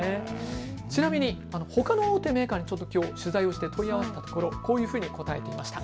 ちなみにほかの大手メーカーに取材をして問い合わせたところこういうふうに答えていました。